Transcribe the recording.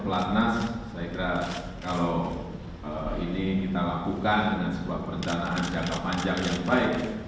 pelatnas saya kira kalau ini kita lakukan dengan sebuah perencanaan jangka panjang yang baik